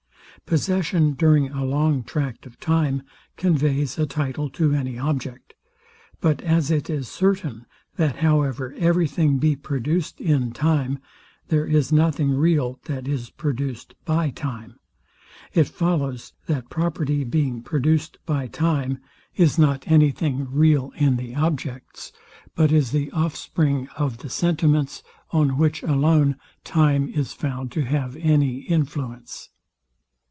Possession during a long tract of time conveys a title to any object. But as it is certain, that, however every thing be produced in time, there is nothing real that is produced by time; it follows, that property being produced by time, is not any thing real in the objects, but is the off spring of the sentiments, on which alone time is found to have any influence.